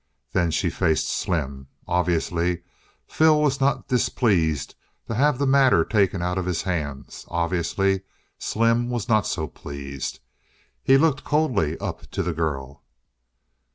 Then she faced Slim. Obviously Phil was not displeased to have the matter taken out of his hands; obviously Slim was not so pleased. He looked coldly up to the girl.